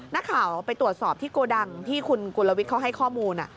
นักข่าวไปตรวจสอบที่โกดังที่คุณกุลวิทย์เขาให้ข้อมูล